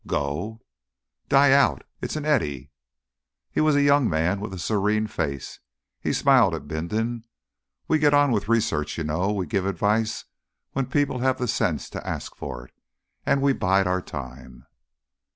"Go?" "Die out. It's an eddy." He was a young man with a serene face. He smiled at Bindon. "We get on with research, you know; we give advice when people have the sense to ask for it. And we bide our time."